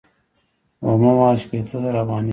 اومه مواد شپیته زره افغانۍ کېږي